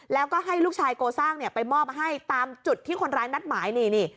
แล้วก็ให้ลูกชายโกซ่าเนี่ยไปมอบให้ตามจุดที่คนร้ายนัดหมายนี่นี่